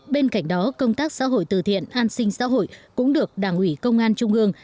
bên cạnh đó công tác xã hội từ thiện an sinh xã hội cũng được đảng ủy công an trung ương